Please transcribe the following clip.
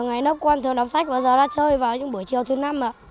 ngày lớp con thường đọc sách vào giờ ra chơi vào những buổi chiều thứ năm